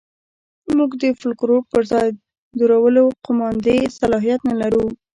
موږ د فوکلور پر ځای درولو قوماندې صلاحیت نه لرو.